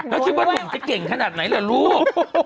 แล้วคิดว่านุ่มจะเก่งขนาดไหนล่ะลูก